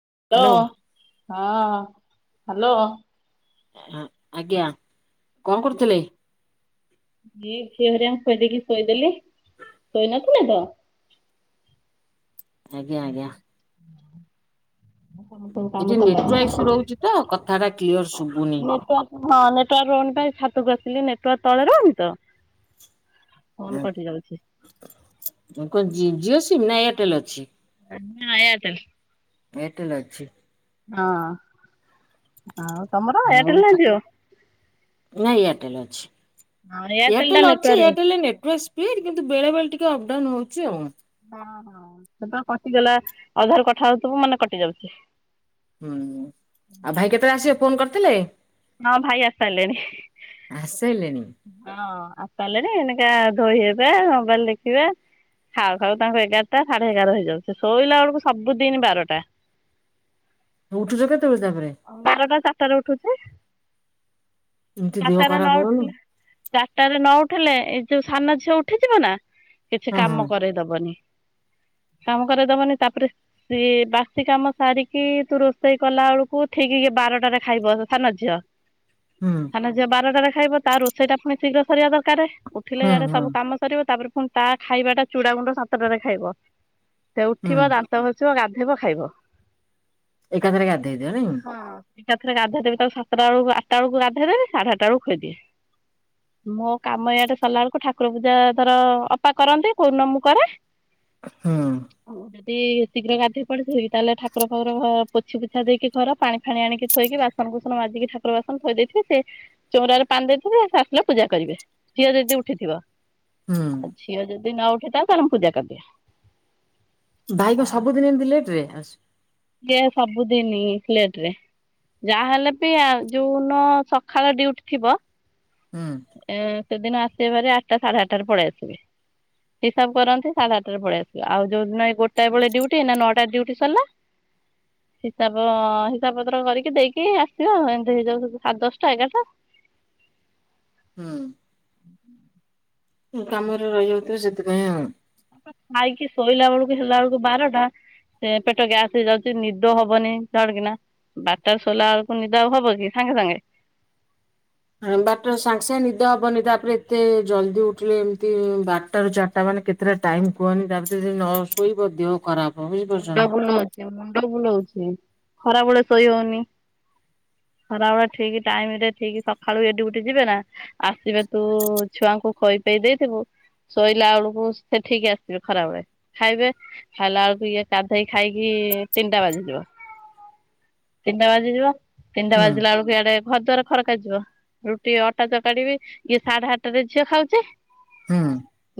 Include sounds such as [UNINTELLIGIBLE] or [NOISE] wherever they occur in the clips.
Hello ହଁ hello. ଆଜ୍ଞା। କଣ କରୁଥିଲେ? ସେ ଝିଅ ହେରିକାଙ୍କୁ ଖୋଇଦେଇକି ଶୁଏଇଦେଲି ଶୋଇ ନଥିଲେ ତ। ଆଜ୍ଞା ଆଜ୍ଞା। କଣ ତମ ଏଠି କାମ ନେଟୱାର୍କ ସାରିଲାଣି ଇସୁ [UNINTELLIGIBLE] ରହୁଛି ତ କଥା ଟା କ୍ଲିୟର ଶୁଭୁନି। ନେଟୱର୍କ ହଁ ନେଟୱାର୍କ ରହୁନି ପା ଛାତକୁ ଆସିଚ ନେଟୱାର୍କ ତଳେ ରହୁନି ତ। ଫୋନ [UNINTELLIGIBLE] କଟି ଯାଉଛି। ତି ନା ଏୟାରଟେଲ୍ ଅଛି? ହଁ ଏୟାରଟେଲ। ଏୟାରଟେଲ ଅଛି। ହଁ। ଆଉ ତମର ଆଉ ଏୟାରଟେଲ ନା ଜିଓ? ନା ଏୟାରଟେଲ ଅଛି। ହଁ ଟା ଏୟାରଟେଲ ଅଛି ନେଟୱାର୍କ ବେଶୀ। ଏୟାରଟେଲ ରେ ନେଟୱାର୍କ ସ୍ପିଡ। କିନ୍ ନ୍ତୁ ବେଳେବେଳେ ଟିକେ ଅପଡାଉନ ହଉଚି ଆଉ। ଓହୋ ସେଦିନ କଟିଗଲା ଅଧାରୁ କଥା ହଉଥିବୁ ମାନେ କଟି ଯାଉଚି। ହୁଁ ଆଉ ଭାଇ କେତେବେଳେ ଆସିବେ ଫୋନ୍ କରି ଥିଲେ। ହଁ ଭାଇ ଆସି ସାରିଲେଣି। ଆସିସାଇଲେଣି। ହଁ ଆସି ସାରିଲେଣି। ଏଇନିକା ଧୋଇ ହେବେ ମୋବାଇଲ ଦେଖିବେ। ଖାଉ ଖାଉ ତାଙ୍କୁ ଏଗାରଟା ସାଢେ ଏଗାର ହେଇଯାଉଚି। ଶୋଇଲା ବେଳକୁ ସବୁଦିନ ବାରଟା। ଉଠୁଛ କେତେବେଳେ ତାପରେ? ବାରଟା, ଚାରିଟାରେ ଉଠୁଚି। ଏମିତି ଦେହ ଚାରିଟାରେ ଖରାପ ନ ହବନି। ଉଠିଲେ ଚାରିଟାରେ ନ ଉଠିଲେ ଏଇ ଯଉ ସାନ ଝିଅ ଉଠିଯିବ ନା। କିଛି ହଁ ହଁ କାମ କରେଇଦବନି। କାମ କରାଇଦବନି ତାପରେ ସିଏ ବାସି କାମ ସାରିକି ତୁ ରୋଷେଇ କଲା ବେଳକୁ ଠିକ୍ ବାରଟାରେ ଖାଇବ ସାନ ଝିଅ ହୁଁ ସାନ ଝିଅ ବାରଟାରେ ଖାଇବ ତା ରୋଷେଇଟା ପୁଣି ଶୀଘ୍ର ସରିବା ଦରକାର ଉଠିଲେ ହୁଁ ଇଆଡେ ହୁଁ ସବୁ କାମ ସରିବ ତାପରେ ପୁଣି ତା ଖାଇବା ଟା ଚୁଡ଼ା ଗୁଣ୍ଡ ସାତଟାରେ ଖାଇବ ସେ ହୁଁ ଉଠିବ ଦାନ୍ତ ଘସିବ ଗାଧୋଇ ହେବ ଖାଇବ। ଏକା ଥରେ ଗାଧେଇ ଦିଅ ନାଇଁ? ଏକା ଥରେ ଗାଧେଇ ଦେବ ତାକୁ ସତଟା ବେଳକୁ ଆଠଟା ବେଳକୁ ଗାଧୋଇ ଦେବେ ସାଢେ ଆଠଟା ବେଳକୁ ଖଇଦିଏ ମୋ କାମ ଇଆଟେ ସରିଲା ବେଳକୁ ଠାକୁର ପୂଜା ଧର ଅପା କରନ୍ତି କୋଉନ ମୁଁ କରେ ହଁ। ଯଦି ଶୀଘ୍ର ଗାଧୋଇ ପଡି ତାହେଲେ ଠାକୁର ପାଖର ପୋଛି ପୋଛା ଦେଇକି ଘର ପାଣି ଫାଣି ଆଣିକି ଥୋଇକି ବାସନକୁସନ ମାଜିକି ଠାକୁର ବାସନ ଥୋଇ ଦେଇେଇଥେ ସେ ଚଉରାରେ ପାଣି ଦେଇଥିବେ ଆସିଲେ ପୂଜା କରିବେ ଝିଅ ଯଦି ଉଠିଥିବ। ହୁଁ। ଆଝିଅ ଯଦି ଯଦି ନ ଉଠେ ତା ମୁଁ ତାକୁ ପୂଜା କରି ଦିଏ। ଭାଇ କ ସବୁଦିନ ଏମତି ଲେଟ ରେ ଆ ଯେ ସବୁଦିନଲେଟରେ ଯାହାହେଲେ ବି ଯୋଉନ ସକାଳ ଡୁଟି ଥିବ ହୁଁ। ଏ ସେଦିନ ଆସିବା ପରୋରେ ଆଠଟା ସାଢେ ଆଠଟ ରେ ପଳେଇ ଆସିବେ ହିସାବ କରନ୍ତି ସାଢେ ଆଠଟରେ ପଳେଇ ଆସିବେ ଆଉ ଯୋଉ ଦିନ ଏଇ ଗୋଟା ବେଳେ ଡ୍ୟୁଟି ଏଇ ନଅଟା ଡ୍ୟୁଟି ସରିଲା। ହିସାବ ହିସାବ ପତ୍ର କରିକି ଦେଇକି ଆସିବା ଏମିତି ହେଇଯାଉ ସାଢ଼େ ଦଶଟା ଏଗାରଟା। ହୁଁ। କାମରେ ରହିଯାଉଥିବ ସେଥିପାଇଁ ହଁ। ଖାଇକି ଶୋଇଲା ବେଳକୁ ହେଲା ବେଳକୁ ବାରଟା ସେ ପେଟ ଗ୍ୟାସ ହେଇଯାଉଛି ନିଦ ହବନିଡ କିନା ବାରଟା ଶୋଇଲା ବେଳକୁ ନିଦ ହବ କି ସାଙ୍ଗେ ସାଙ୍ଗେ ବାରଟା ସାଙ୍ଗେ ସାଙ୍ଗେ ନିଦ ହବନି ତାପରେ ଏତେ ଜଲଦି ଉଠିଲେ ଏମିତି ବାରଟ ରାରୁ ଚାରିଟା ମାନେ କେତେଟା ଟାଇମ କୁହନି ତାପରେ ନ ଶୋଇବ ଦେହ ଖରାପ। ହବ ବୁଝିପାରୁଛ ନା। ମୁଣ୍ଡ ବୁଲଉଛି ବୁଲଉଛି ଖରାବେଳେ ଶୋଇ ହଉନି ଖରାବେଳେ ଠିକ ଟାଇମ ରେ ଠିକ ସକାଳୁ ଏଠି ଗୋଠେ ଯିବେ ନା ଆସିବେ ତୁ ଛୁଆଙ୍କୁ ଖଇ ପଇ ଦେଇଥିବୁ ଶୋଇଲା ବେଳକୁ ସେଠିକ ଆସିବେ ଖରାବେଳେ ଖାଇବେ ଖାଇଲା ବେଳକୁ ଇଏ ଗାଧେଇ ଖାଇକି ତିନିଟା ବାଜିଯିବ। ତିନିଟା ବାଜି ଯିବ ତିନିଟା ହୁଁ ବାଜିଲା ବେଳକୁ ଆଡେ ଘର ଦଵାର ଖରକା ଯିବ ରୁଟି ଅଟା ଚକାଡିବି ଇଏ ସାଢେ ଆଠଟାରେ ଝିଅ ଖାଉଛି। ହୁଁ।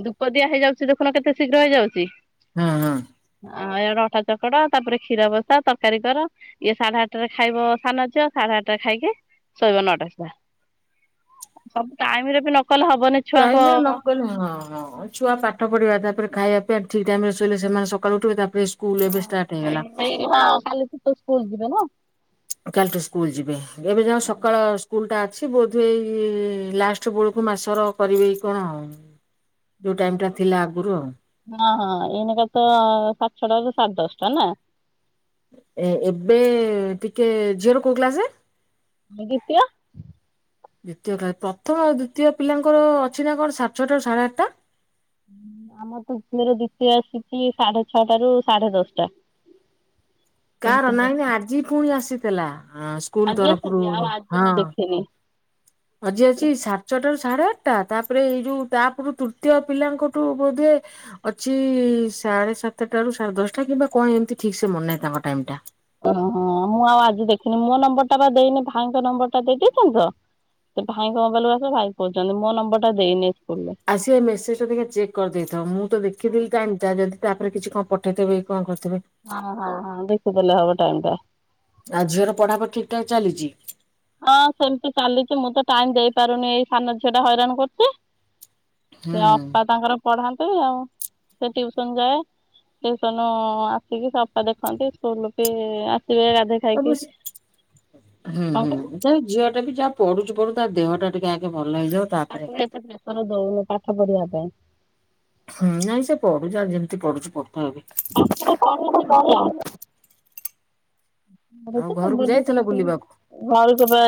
ଧୂପ ଦିଆ ହେଇଯାଉଛି ଦେଖୁନ କେତେ ଶୀଘ୍ର ହେଇଯାଉଛି। ହଁ ହଁ। ଆ ଏଇଆଡେ ଅଟା ଚକଟ ତାପରେ କ୍ଷୀର ବସା ତରକାରୀ କର। ଇଏ ସାଢେ ଆଠଟାରେ ଖାଇବ ସାନ ଅଛି ଆଉ ସାଢେ ଆଠଟା ଖାଇକି ଶୋଇବ ନଅଟା ସୁଧା ସୁ ଟାଇମରେ ବି କଲେ ହବନି ାଇ ଛୁଆଙ୍କ ମକଲେ ହଁ ହଁ ଛୁଆ ପାଠ ପଢିବା ତାପରେ ଖାଇବା ପାଇଁି ଟ ଠିକ୍ ଟାଇ ରେ ଶୋଇଲେ ସେମାନେ ସକାୁ ଉଠିବ ତା ତ ସ୍କୁଲ ଯିବ ନା। କାଲିଠୁ ସ୍କୁଲ ଯିବେ ଏବେ ଯ ସକାଳ ସ୍କୁଲ ଟା ଅଛି ବୋଧ ଏଇ ଲାଷ୍ଟ ବେଳକୁ ମାସର କରିବେ କଣ ଆଉ। ଯୋଉ ଟାଇମ ଟା ଥିଲା ଆଗରୁ ଆଉ। ହଁ ହଁ ଏନକ ତ ସାଢେ ଛଅ ଟା ରୁ ସାଢେ ଦଶଟା ନା। ଏ ଏବେ ଟିକେ ଝିଅର କୋଉ କ୍ଲାସେ? ଦ୍ୱିତୀୟ। ଦ୍ଵିତୀୟ କ୍ଲାସ ପ୍ରଥମ ଦ୍ଵିତୀୟ ପିଲାଙ୍କର ଅଛି ନା କଣ ସାଢେ ଛଅଟା ରୁ ସାଢେ ଆଠଟା। ଆମର ତୃତୀୟ ରୁ ଦ୍ଵିତୀୟ ଆସିଛି ସାଢେ ଛଅଟା ରୁ ସାଢେ ଦଶଟା। କାହାର ନାହିଁ ଆଜି ପୁଣି ଆସିଥିଲା ସ୍କୁଲ ଆଜି ଆସିଛି ତରଫରୁ ଆଉ ଆଜି ହଁ। ମୁଁ ଦେଖିନି। ଆଜି ଅଛି ସାତ ଛଅଟା ରୁ ସାଢେ ଆଠ। ତାପରେ ଏଇ ଯୋଉ ତାପରୁ ତୃତୀୟ ପିଲାଙ୍କଠୁ ବୋଧେ ଅଛି ସାଢେ ସାତଟା ରୁ ସାଢେ ଦଶଟା କିମ୍ବା କଣ ଏମତି ଠିକ୍ ସେ ମନେ ନାହିଁ ତାଙ୍କ ଟାଇମ୍ ଟା। ଓହୋ ମୁଁ ଆଉ ଆଜି ଦେଖିନି ମୋ ନମ୍ବର ଟା ବା ଦେଇନି ଭାଇଙ୍କ ନମ୍ବର ଟା ଦେଇଦେଇଛନ୍ତି ତ। ସେ ଭାଇଙ୍କ ମୋବାଇଲକୁ ଆସ ଭାଇ କହୁଛନ୍ତି ମୋ ନମ୍ବର ଟା ଦେଇନି। ସ୍କୁଲରେ। ଆସବ ଏଇ ମେସଜ ଟା ଟିକେ ଚେକ୍ କରିଦେଇଥାଉ। ମୁଁ ତ ଦେଖିଥିଲି ଟାଇମ୍ ଟା ତାପରେ କିଛି କଣ ପଠେଇଥିବେ କଣ କରୁ ହଁ ହଁ ହଁ ଦେଖି ଦେଲେ ହବ ଟାଇମ୍ ଟା। ଆଉ ଝିଅର ପଢାପଢି ଠିକ୍ ଠାକ୍ ଚାଲିଛି। ହଁ ସେମତି ଚାଲିଛି ମୁଁ ତ ଟାଇମ୍ ଦେଇପାରୁନି ଏଇ ସାନ ଝିଅ ଟା ହଇରାଣ କରୁଛି। ସେ ହୁଁ। ଅପା ତାଙ୍କର ପଢା ଏମତି ଆଉ ସେ ଟିଉସନ ଯାଏ। ଟିଉସନ ଆସିକି ସଫା ଦେଖନ୍ତି। ସ୍କୁଲ ବି ଚ ଗାଧେ ସବୁ ଖାଇକି ହୁଁ କଣ କହିଲୁ ହୁଁ ଝିଅ ଟା ବି ଯାହା ପଢୁଛୁ। ପୁଣି ତା ଦେହ ଟିକେ ଆଗେ ଭଲ ହେଇଯାଉ ତାପରେ ତାକୁ ଏତେ ପ୍ରେସର ଦଉନୁ ପା। କ ବଢିଆ ପାଇଁ। ହୁଁ ନାଇଁ ସେ ପଢୁଛି ଆଉ ଯେମିତି ପଢୁଛି ପଢୁଥାଉ ଏବେ। ପାଠଟା ପାପ ପଢୁଛି କଣ। ଘରୁକୁ ପା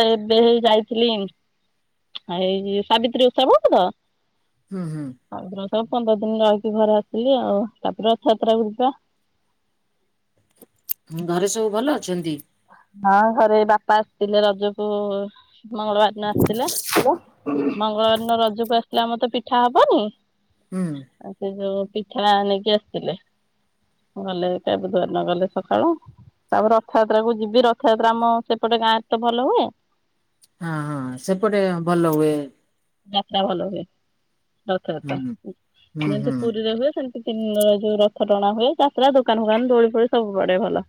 ଏବେ ହେଇ ଯାଇଥିଲି ଏଇ ସାବିତ୍ରୀ ଉତ୍ସବ ତ। ହୁଁ ହୁଁ। ଆଉ ସବ ପନ୍ଦର ଦିନ ର ଘରା ଆସିଲି ଆଉ ତାପରେ ରଥଯାତ୍ରାକୁ ଯିବା। ଘରେ ସବୁ ଭଲ ଅଛନ୍ତି। ହଁ ଘରେ ବାପା ଆସିଥିଲେ ରଜକୁ। ମଙ୍ଗଳବାର ଦିନ ଆସିଥିଲେ ମଙ୍ଗଳବାର ଦିନ ରଜକୁ ଆସି ହେଲେ ଆମ ତ ପିଠା ହବନି। ହୁଁ ଆ ସେ ଯଉ ପିଠା ନେଇକି ଆସିଥିଲେ। ଗଲେ ତା ବୁଧୁବାର ଦିନ ଗଲେ ସକାଳୁ। ତାପରେ ରଥ ଯାତ୍ରା କୁ ଯିବି। ରଥଯାତ୍ରା ଆମ ସେପଟେ ଗାଁ ଏତେ ଭଲ ହୁଏ। ହଁ ହଁ ସେପଟେ ଭଲ ହୁଏ। [INAUDIBLE] ଯାତ୍ରା ଭଲ ହୁଏ‌। ହୁଁ ରଥଯାତ୍ରା। ହୁଁ ଏନ୍ତି ପୁରୀରେ ହୁଏ ସେମ ସେ ତିନ ଯଉ ରଥ ଟଣା ହୁଏ। ଯାତ୍ରା ଦୋକାନ ଫୋକାନ ଦୋଳି ଫୋଳି ସବୁ ପଡ଼େ ଭଲ।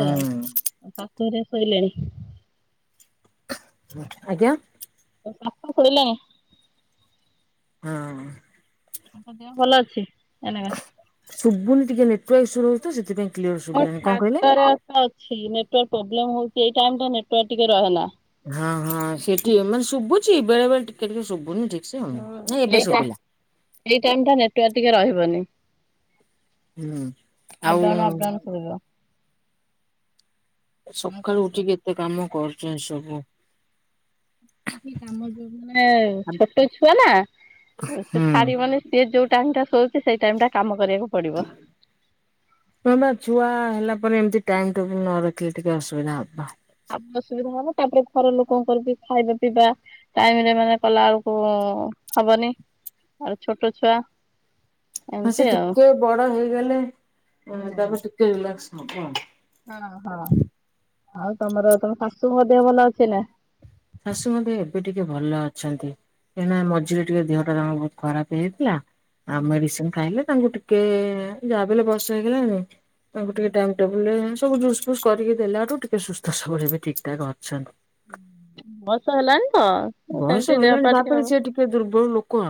ଯାଉ ଆଃ ହେରା ଶଇଲାଣି? ଆଜ୍ଞା? ଏ ପାପା ଶୋଇଲାଣି? ହଁ। ତାଙ୍କ ଦେହ ଭଲ ଅଛି ଏନାକେ। ପୁଣି ଟିକେ ନେଟୱାର୍କ ଇସୁ ରହୁଚି ତ ସେଥିପାଇଁ। କ୍ଲିୟର ମୋ ଶୁଭିଲାନି କଣ କହିଲେ? ଛାତରେ ଅ ତ ଛି। ନେଟୱାର୍କ ପ୍ରୋବ୍ଲେମ ହଉଚି ଏଇ ଟାଇମରେ ନେଟୱାର୍କ ଟିକେ ରହେ ନା। ହଁ ହଁ ସେଠି ମାନେ ଶୁଭୁଚି ବେଳେ ବେଳେ ଟିକେ ଟିକେ ଶୁଭୁନି। ଠିକ ସେ ଆଉ। ହୁଁ। ନାଇଁ ଏବେ ଏଇଟା ଶୁଭିଲା ଏଇ ଟାଇମଟା ନେ ଟୁଆ ଟିକେ ରହିବନି। ହୁଁ ଆଉ ଅପଡାଉନ ଅପଡାଉନ ଶୁଭିବ। ସକାଳୁ ଉଠିକି ଏତେ କାମ କର୍ ଚୁ ସବୁ। ଏଠି କାମ ଯଉ ମାନେ ଛୋଟ ଛୁଆ ନାଁ ତ ସିଏ ହୁଁ। ଛାଡିବନି ସିଏ ଯଉ ଟାଇମରେ ଶୋ ସେ ସେଇ ଟାଇମଟା କାମ କରିବାକୁ ପଡିବ। ହଁ ବା, ଛୁଆ ହେଲା ପରେ ଏମତି। ଟାଇମ୍ ଟେବୁଲ୍ ନ ରଖିଲେ ଟିକେ ଅସୁବିଧା ହବ। ଆବ ସୁବିଧା ହବ ନା। ତାପରେ ଘର ଲୋକଙ୍କର ବି ଖାଇବା ପିଇବା ଟାଇମରେ ମାନେ କଲା ଅଳୁକୁ ହବନେଇ। ତାପରେ ଛୋଟ ଛୁଆ ହଁ ଏମିତି ସେ ଆଉ। ଟିକେ ବଡ଼ ହେଇଗଲେ, ଉଁ ହୁଁ। ତାପରେ ଟିକେ ରିଲାକ୍ସ। ହବ ଆଉ। ହଁ ହଁ। ଆଉ ତମର ତମ ଶାଶୁଙ୍କ ହେହ ଭଲ ଅଛି ନାଁ? ଶାଶୁ ମଧ୍ୟ ଏବେ ଟିକେ ଭଲ ଅଛନ୍ତି। କାହିଁକି ନା ମଝିରେ ଟିକେ ଦେହଟା ତାଙ୍କର ବୋହୁତ ଖରାପ ହେଇଯାଇଥିଲା। ଆ ମେଡିସିନ ଖାଇଲେ। ତାଙ୍କୁ ଟିକେ ଯାହା ବି ହେଲେ ବୟସ ହେଇଗଲାଣି ତାଙ୍କୁ ଟିକେ ଟାଇମ ଟେବୁଲରେ ସବୁ ଜୁସ ଫୁସ୍ କରିକି ଦେଲାଠୁ ଟିକେ ସୁସ୍ଥ ସବଳ ଏବେ ଠିକ୍ ଠାକ୍ ଅଛନ୍ତି। ଏ ବୟସ ହେଲାଣି ତ ବୟସ ସେମିତି ଦେହ ହେଲାଣି ପା ଟିକେ ତାପରେ ହବ ସିଏ ଟିକେ ଦୁର୍ବଳ ଲୋକ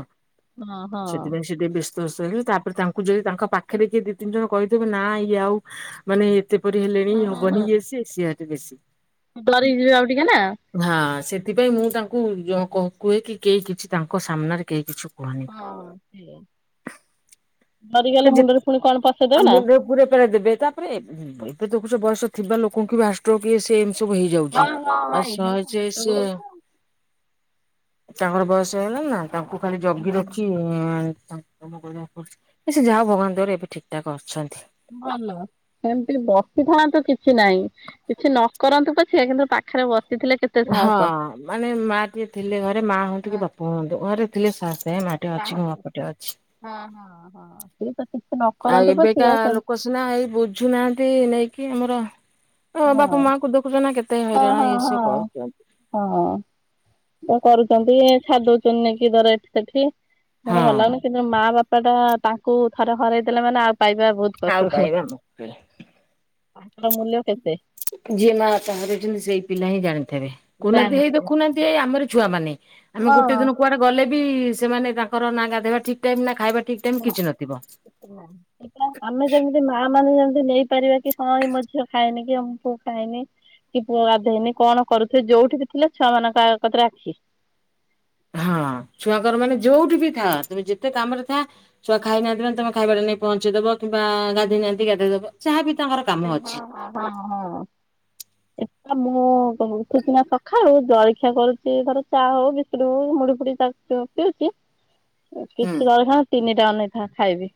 ହଁ ହଁ। ସେଥିପାଇଁ ସେ ଟିକେ ବେଶ ସସ ହେଲେ ତାପରେ ତାଙ୍କୁ ଯଦି ତାଙ୍କ ପାଖରେ କିଏ ଦି ତିନି ଜଣ କହିଦେବ ନାଁ ଇଏ ଆଉ ମାନେ ଏତେପରି ହେଲେଣି ହବନି ଇଏ ସିଏ ସିଆ ସେ ବେଶୀ ଡରି ଯିବେ ଆଉ ଟିକେ ନା ହଁ ସେଥିପାଇଁ ମୁଁ ତାଙ୍କୁ କୁ କୁହେ କି କେହି କିଛି ତାଙ୍କ ସାମ୍ନାରେ କେହି କିଛି କୁହନି। ହଁ ସେଆ ଯେ ଆଉ ମୁଣ୍ଡ ପୁରେଇ ପାରି ଦେବେ ତାପରେ ଏବେ ଦେଖୁ ବୟସ ଥିବା ଲୋକଙ୍କୁ ବି ହାର୍ଟ ଷ୍ଟ୍ରୋକ ଇଏ ସିଏ ସବୁ ହେଇଯାଉଛି ହଁ ହଁ ହଁ ଆଉ ସହଜେ ସେ ଏଇଟା ତାଙ୍କର ବୟସ ହେଇଗଲାନି ନା? ତାଙ୍କୁ ଖାଲି ଜଗି ରଖି ଇଁ [UNINTELLIGIBLE] ଏ ସେ ଯାହା ହୋଉ ଭଗବାନଙ୍କ ଦୟାରୁ ଏବେ ଠିକ୍ ଠାକ୍ ଅଛନ୍ତି ଭଲ ଏମିତି ବସିଥାନ୍ତୁ କିଛି ନାହିଁ କିଛି ନ କରନ୍ତୁ ପଛେ କିନ୍ତୁ ପାଖରେ ବସି ହଁ ମାନେ ମା ଟିଏ ଥିଲେ ଘରେ ମା ହୁଅନ୍ତୁ କି ବାପା ହୁଅନ୍ତୁ ଘରେ ଥିଲେ ସାର୍ ହଁ ହଁ ହଁ ସେ ନ ଆଉ କରନ୍ତୁ ଏବେକା ପଛିକା ସେମିତି ଲୋକ ସିନା ଏଇ ବୁଝୁନାହାନ୍ତି ନେଇକି ଆମ ର ଓ ହଁ ବାପା ମାଙ୍କୁ ଦେଖୁଛ ନା କେତେ ହଁ ହଇରାଣ ହଁ ଇଏ ସ ହଁ। କରୁଛନ୍ତି। ହଁ ତ କରୁଛନ୍ତି ଛାଡି ଦୋଉଛନ୍ତି ନଇକି ଧର ଏଠି ସେଠି ମର ହଁ ଭଲ ଲାଗୁନି କିନ୍ତ ମା ବାପା ପା ଟା ତାଙ୍କୁ ଥରେ ହରାଇ ଦେଲେ ମାନେ ଆଉ ପାଇବା ବହୁତ ଆଉ କଷ୍ଟକର ପାଇବା ମୁସ୍କିଲ। ବା ମୂଲ୍ୟ କେତ ଯିଏ ମା ବାପା ହରେଇଛନ୍ତି ସେଇ ପିଲା ହିଁ ଜାଣିଛନ୍ତି। ଥିବେ କହୁନାହାନ୍ତି ହେଇ ତ ଦେଖୁନାହାନ୍ତି ହେଇ ଆମରି ଛୁଆମାନୋ ଆମେ ହଁ। ଗୋଟେ ଦିନ କୁଆଡେ ଗଲେ ସେମାନେ ତାଙ୍କର ନାାଗା ଦେବା ଠିକ ଟାଇ ସେଟା ଆମେ ଯେମିତି ମା ମାନେ ଯେମିତି ନେଇପାରିବା କି ହଁ ଏଇ ମ ଝିଅ ଖାଇନି କି ଆମ ପୁଅ ଖାଇନି କି ପୁଅ ଗାଧେଇନି କଣ କରୁଥିବେ ଯୋଉଠି ବି ଥିଲେ ଛୁଆ ମାନଙ୍କ ଆ କତରେ ଆଖି ହଁ ଛୁଆଙ୍କର ମାନେ ଯୋଉଠି ବି ଥା ତମେ ଯେତେ କାମରେ ଥା ଛୁଆ ଖାଇ ନଥିବ ତମେ ଖାଇବାାରେ ନେଇ ପହଞ୍ଚେଇଦବ କି ବା ଗାଧୋଇ ନିହାନ୍ତି ଗାଧୋଇ ଦବ ଯାହାବି ତାଙ୍କର କାମ ହଁ ଅଛି। ଆ ମୁଁଠକିନା ସଖା ହଉ ଜଳଖିଆ କରୁଛି ଧର ଚା ହଉ ବିସ୍କୁଟ ହଉ ମୁଢ ଫୁଡି ପିଉଛି ହୁଁ। କିଛି ଦଲେ ଖ ତିନି ଯାଉନହି ତା ଖାଇବି।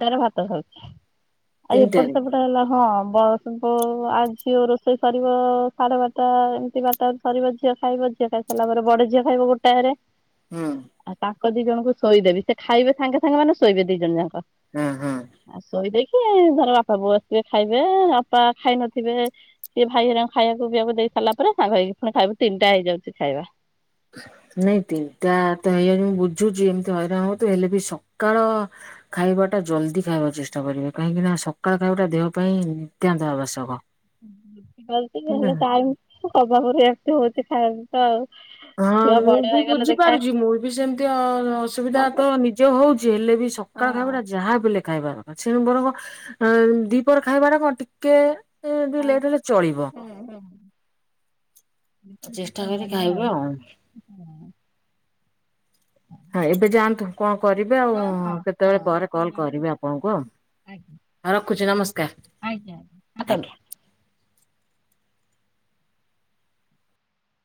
ଟର ଭାତ ସ ଆଉ ଏପଟେ ତିନିଟାରେ ସେପଟ ହେଲା ହଁ। ବ ଆଉ ଝିଅ ରୋଷେଇ ସରିବ ସାଢେ ବାରଟା ଏମିତି ବାରଟା ସରିବ ଝିଅ ଖାଇବ ଝିଅ ଖାଇସାରିଲା ପରେ ବଡ ଝିଅ ଖାଇବ ଗୋଟାଏରେ। ହୁଁ। ଙ୍କ ଦି ଜଣଙ୍କୁ ଶୋଇଦେବି ସେ ଖାଇବେ ସାଙ୍ଗ ସାଙ୍ଗେ ମାନେ ଶୋଇବେ ଦି ଜଣ ଜାକ। ହଁ ହଁ। ଆ ସୋଇ ଦେଇ ସଏ ଧର ବାପା ବୋଉ ଆସଥିବେ ଖାଇବେ ବାପା ଖାଇ ନଥିବେ ସିଏ ଭାଇ ଖାଇବାକୁ ପିଇବାକୁ ଦେଇ ସାରିଲା ପରେ ସାଙ୍ଗ ହୋଇକି ପୁଣି ଖାଇବ ତିନିଟା ହେଇଯାଉଛି ଖାଇବା। ନାଇଁ ତିନିଟା ତ ହେଇଆଣି ମୁଁ ବୁଝୁଛି ଏମିତି ହଇରାଣ ହ ତୁ ହେଲେ ବି ସକାଳ ଖାଇବା ଟା ଜଲଦି ଖାଇବାକୁ ଚେଷ୍ଟା କରିବେ କାହିଁକି ନା ସକାଳ ଖାଇବାଟା ଦେହ ପାଇଁ ନିତ୍ୟାନ୍ତ ଆବଶ୍ୟକ। ହେଲେ ହେଲା [UNINTELLIGIBLE] ହଉ ହଁ ମୁଁ ବି ବୁଝିପାରୁଛି ମୁଁ ବି ସେମିତି ଅସୁବିଧା ହୁଁ ତ ନିଜେ ହଉଛି ହେଲେ ବି ସକାଳ ଖାଇବାଟା ଯାହାବଲେ- ଖାଇବାର ଅଛି ଦିପର ଖାଇବାଟା କଣ ଟିକେ- ଏ ଟିକେ ଲେଟ ହେଲେ ଚଳିବ ଚେଷ୍ଟା କରିବା ଆଉ ହଁ ଏବେ ଯାଆନ୍ତୁ କଣ କରିବେ ଆଉ କେତେବେଳେ ପରେ କଲ୍ କରିବେ ଆପଣଙ୍କୁ ଆ ରଖୁଛି ନମସ୍କାର ଆଜ୍ଞା